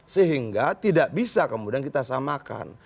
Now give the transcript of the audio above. sehingga tidak bisa kemudian kita samakan